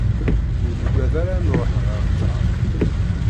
Ur nuggad ara ad nruḥ ɣer ṭṭrad.